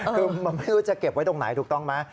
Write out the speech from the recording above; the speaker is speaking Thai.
คือมันไม่รู้จะเก็บไว้ตรงไหนถูกต้องไหม